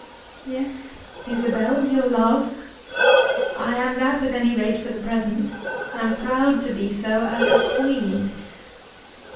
"Yes; Isabel; your love! I am that at any rate for the present, and proud to be so as a queen.